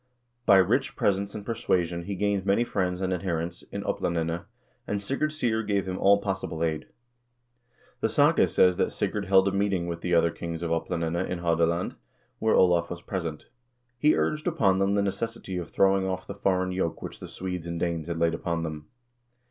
By rich presents and persuasion he gained many friends and adherents in Oplandene, and Sigurd Syr gave him all possible aid. The saga says that Sigurd held a meeting with the other kings of Oplandene in Hadeland, where Olav was present. He urged upon them the necessity of throwing off the foreign yoke which the Swedes and Danes had laid upon them.